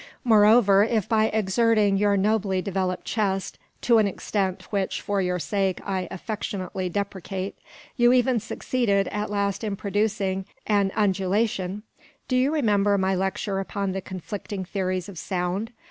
Moreover, if by exerting your nobly developed chest, to an extent which for your sake I affectionately deprecate, you even succeeded at last in producing an undulation do you remember my lecture upon the conflicting theories of sound?